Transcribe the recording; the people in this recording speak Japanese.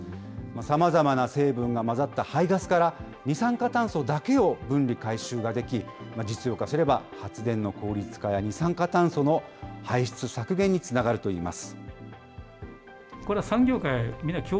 さまざまな成分が混ざった排ガスから二酸化炭素だけを分離・回収ができ、実用化すれば発電の効率化や、二酸化炭素の排出削減につながるといいます。